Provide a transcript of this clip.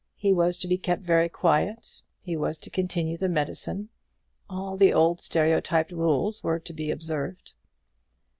He was to be kept very quiet; he was to continue the medicine; all the old stereotyped rules were to be observed.